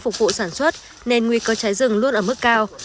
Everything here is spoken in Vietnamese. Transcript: bà con không sản xuất nên nguy cơ cháy rừng luôn ở mức cao